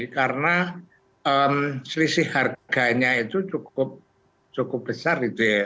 karena selisih harganya itu cukup besar